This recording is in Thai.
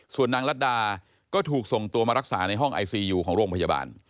ส่วนนางรัฐดาก็ถูกส่งตัวมารักษาในห้องไอซียูของโรงพยาบาล